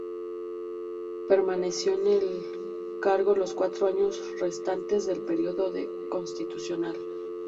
Permaneció en el cargo los cuatro años restantes del periodo constitucional.